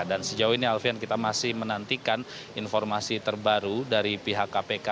dan sejauh ini alfian kita masih menantikan informasi terbaru dari pihak kpk